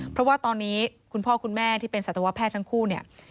เพราะว่าตอนนี้คุณพ่อคุณแม่ที่เป็นสัตวแพทย์ทั้งคู่เนี่ย